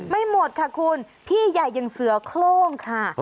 ไม่หมดค่ะคุณพี่ใหญ่อย่างเสือโครงค่ะ